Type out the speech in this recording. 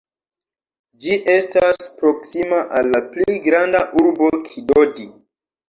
Ĝi estas proksima al la pli granda urbo Kidodi.